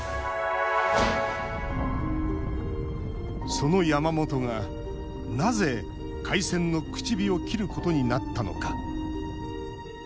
その山本がなぜ開戦の口火を切ることになったのか。